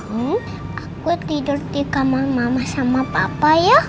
hmm aku tidur di kamar mama sama papa ya